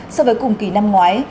so với cùng kỳ năm ngoái